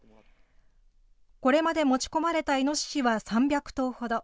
これまで持ち込まれたイノシシは３００頭ほど。